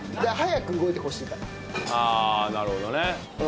ああなるほどね。